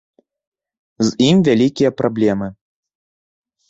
З ім вялікія праблемы.